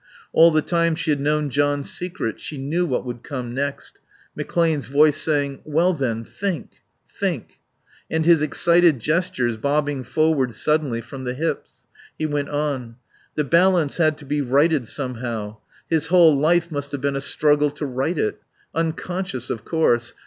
All the time she had known John's secret. She knew what would come next: McClane's voice saying, "Well then, think think," and his excited gestures, bobbing forward suddenly from the hips. He went on. "The balance had to be righted somehow. His whole life must have been a struggle to right it. Unconscious, of course.